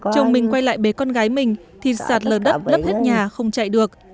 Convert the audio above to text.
chồng mình quay lại bế con gái mình thì sạt lở đất lấp hết nhà không chạy được